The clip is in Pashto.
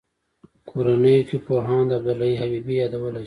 کورنیو کې پوهاند عبدالحی حبیبي یادولای شو.